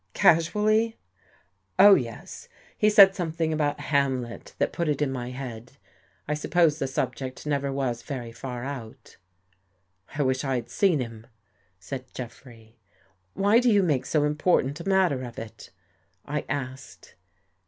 " Casually? "" Oh, yes. He said something about Hamlet that put it in my head. I suppose the subject never was very far out." " I wish I had seen him," said Jeffrey. Why do you make so important a matter of it?" I asked.